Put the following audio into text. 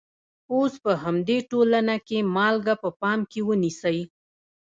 اوس په همدې ټولنه کې مالګه په پام کې ونیسئ.